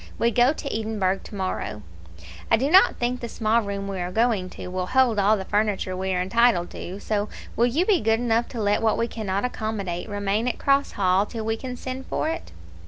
We go to Edinburgh tomorrow. I do not think the small room we are going to will hold all the furniture we are entitled to, so will you be good enough to let what we cannot accommodate remain at Cross Hall till we can send for it?"